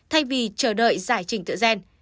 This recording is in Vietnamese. thay vì chờ đợi giải trình tựa gen